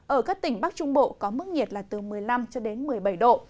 ở các tỉnh bắc trung bộ có mức nhiệt là từ một mươi năm một mươi bảy độ